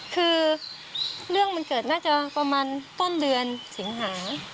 คือเรื่องมันเกิดน่าจะประมาณต้นเดือนสิงหา